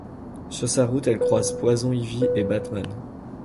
Sur sa route elle croise Poison Ivy et Batman.